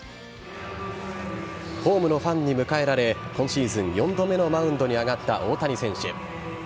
ホームのファンに迎えられ今シーズン４度目のマウンドに上がった大谷選手。